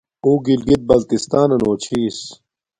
اݸ گلگت بلتستݳنَنݸ چھݵس.